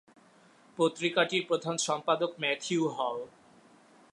পত্রিকাটির প্রধান সম্পাদক ম্যাথিউ হল।